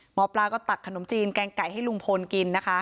หมอปลาก็ตักขนมจีนแกงไก่ให้ลุงพลกินนะคะ